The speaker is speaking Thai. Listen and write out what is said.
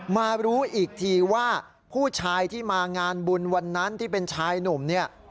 มารู้อีกทีว่าผู้ชายที่มางานบุญวันนั้นที่เป็นชายหนุ่มเนี่ย